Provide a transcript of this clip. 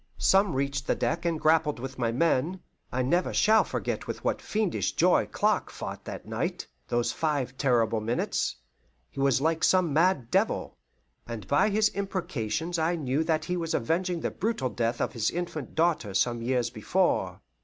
Some reached the deck and grappled with my men. I never shall forget with what fiendish joy Clark fought that night those five terrible minutes. He was like some mad devil, and by his imprecations I knew that he was avenging the brutal death of his infant daughter some years before.